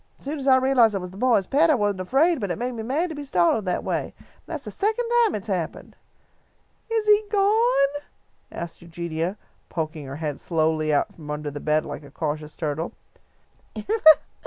As soon as I realised that it was the boys' pet I wasn't afraid, but it made me mad to be startled that way. And that's the second time it has happened." "Is he gone?" asked Eugenia, poking her head slowly out from under the bed like a cautious turtle.